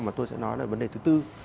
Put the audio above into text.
mà tôi sẽ nói là vấn đề thứ tư